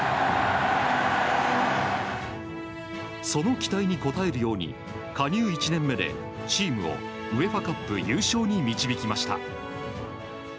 その期待に応えるように加入１年目でチームをＵＥＦＡカップ優勝に導きました。